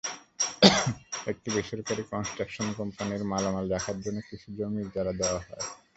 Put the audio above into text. একটি বেসরকারি কন্সট্রাকশন কোম্পানির মালামাল রাখার জন্য কিছু জমি ইজারা দেওয়া হয়।